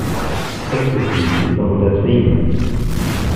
Exzessiv ist noch untertrieben.